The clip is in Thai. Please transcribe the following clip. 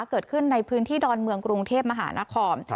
เกิดขึ้นในพื้นที่ดอนเมืองกรุงเทพมหานคร